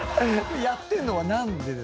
やってんのは何でですかね？